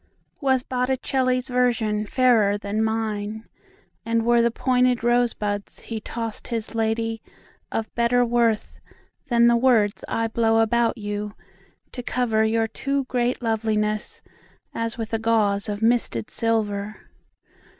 Was Botticelli's visionFairer than mine; And were the pointed rosebudsHe tossed his ladyOf better worthThan the words I blow about youTo cover your too great lovelinessAs with a gauzeOf misted silver?